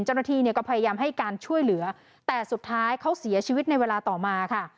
เจ้าหน้าที่เนี่ยก็พยายามให้การช่วยเหลือแต่สุดท้ายเขาเสียชีวิตในเวลาต่อมาค่ะ